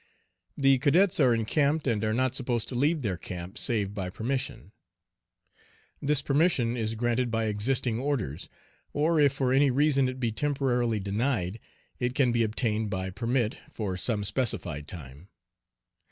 The cadets are encamped and are not supposed to leave their camp save by permission. This permission is granted by existing orders, or if for any reason it be temporarily denied it can be obtained by "permit" for some specified time.